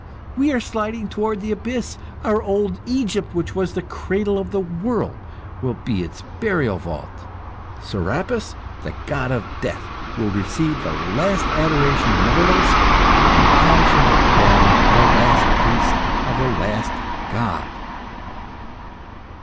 we are sliding toward the abyss. Our old Egypt, which was the cradle of the world, will be its burial vault; Serapis, the god of Death, will receive the last adoration of mortals, and I shall have been the last priest of the last god.